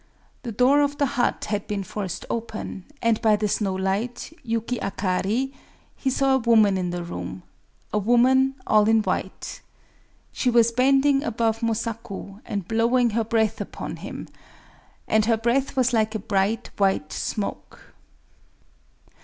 The door of the hut had been forced open; and, by the snow light (yuki akari), he saw a woman in the room,—a woman all in white. She was bending above Mosaku, and blowing her breath upon him;—and her breath was like a bright white smoke.